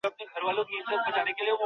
আমি এরকম কিছু বলতে পারব না যেটা ঠিক আছে।